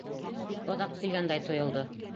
Бик оҙаҡ килгәндәй тойолдо.